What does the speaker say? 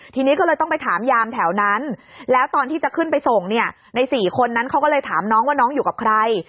ทีนี้ก็เลยต้องไปถามยามแถวนั้นแล้วตอนที่จะขึ้นไปส่งเนี่ยใน๔คนนั้นเขาก็เลยถามน้องว่าน้องอยู่กับใคร